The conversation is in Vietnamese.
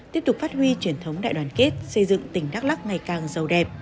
tiếp tục phát huy truyền thống đại đoàn kết xây dựng tỉnh đắk lắc ngày càng giàu đẹp